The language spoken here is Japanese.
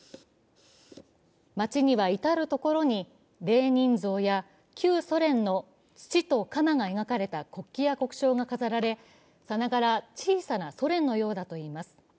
街には至る所にレーニン像や旧ソ連のつちと鎌が描かれた国旗や国章が飾られさながら小さなソ連のようだといいます。